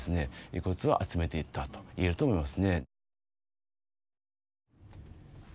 遺骨を集めていったといえると思いますね